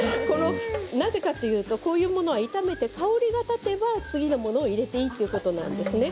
なぜかというと、こういうものは香りが立てば次のものを入れていいんですね。